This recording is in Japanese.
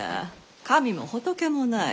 神も仏もない。